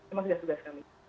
emang kebijakan kami